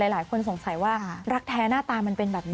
หลายคนสงสัยว่ารักแท้หน้าตามันเป็นแบบนี้